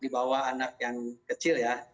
di bawah anak yang kecil ya